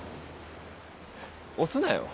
押すなよ。